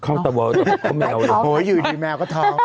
เขาตะวัวเขาแมวเหรอโอ้ยอยู่ดีแมวก็ท้อง